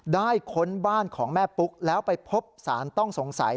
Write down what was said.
ค้นบ้านของแม่ปุ๊กแล้วไปพบสารต้องสงสัย